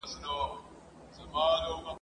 له یخنۍ څخه ډبري چاودېدلې !.